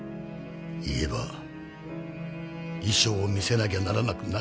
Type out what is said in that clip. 言えば遺書を見せなきゃならなくなる。